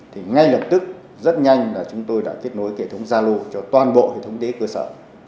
thì ngay lập tức rất nhanh là chúng tôi đã kết nối kể thống gia lô cho toàn bộ hệ thống y tế cơ sở